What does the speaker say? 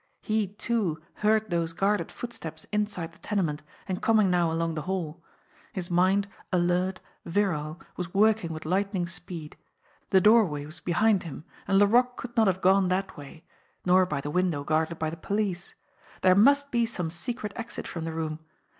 He, too, heard those guarded footsteps inside the tenement and coming now along the hall. His mind, alert, virile, was work ing with lightning speed. The doorway was behind him, and Laroque could not have gone that way nor by the window ONE ISAAC SHIFTEL 41 guarded by the police. There must be some secret exit from the room.